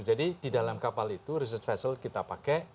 jadi di dalam kapal itu research vessel kita pakai